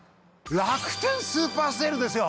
楽天スーパーＳＡＬＥですよ！